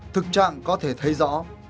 thực trạng có thể thấy rõ